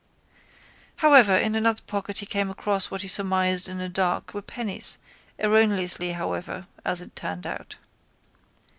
However in another pocket he came across what he surmised in the dark were pennies, erroneously however, as it turned out.